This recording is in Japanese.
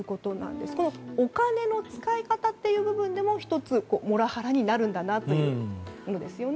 お金の使い方という部分でも１つ、モラハラになるんだなというんですよね。